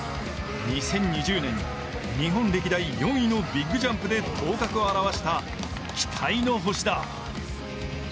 ２０２０年日本歴代４位のビッグジャンプで頭角を現した期待の星だ。